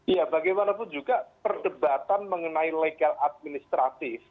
ya bagaimanapun juga perdebatan mengenai legal administratif